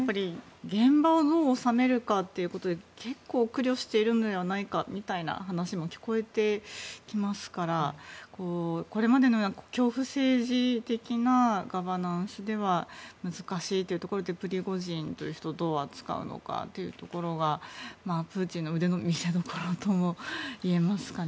現場をどう収めるかということで結構苦慮しているんじゃないかみたいな話も聞こえてきますからこれまでのような恐怖政治的なガバナンスでは難しいというところでプリゴジンという人をどう扱うのかというところがプーチンの腕の見せどころともいえますかね。